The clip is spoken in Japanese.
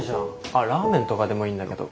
あっラーメンとかでもいいんだけど。